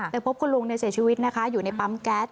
แล้วพบกันลูกเสียชีวิตอยู่ในปั๊มแก๊ส